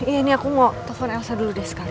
ya ini aku mau telfon elsa dulu deh sekalian